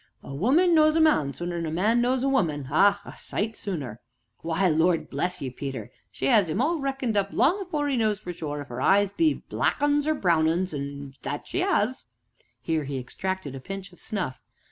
"A woman knows a man sooner than a man knows a woman ah, a sight sooner! Why, Lord bless ye, Peter, she 'as 'im all reckoned up long afore 'e knows for sure if 'er eyes be black 'uns or brown 'uns that she 'as." Here he extracted a pinch of snuff.